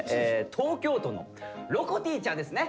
東京都のろこてぃーちゃんですね。